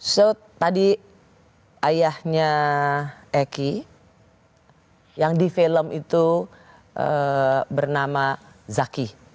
jadi tadi ayahnya eki yang di film itu bernama zaki